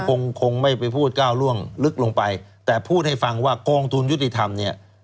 คงคงไม่ไปพูดก้าวร่วงลึกลงไปแต่พูดให้ฟังว่ากองทุนยุติธรรมเนี่ย